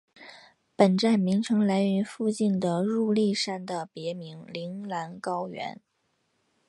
本站名称来源于附近的入笠山的别名铃兰高原。